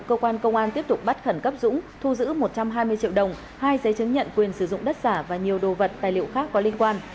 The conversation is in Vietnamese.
cơ quan công an tiếp tục bắt khẩn cấp dũng thu giữ một trăm hai mươi triệu đồng hai giấy chứng nhận quyền sử dụng đất giả và nhiều đồ vật tài liệu khác có liên quan